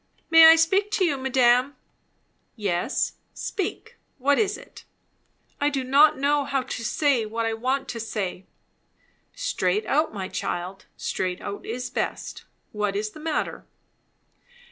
"May I speak to you, madame?" "Yes speak. What is it?" "I do not know how to say what I want to say." "Straight out, my child. Straight out is best. What is the matter?"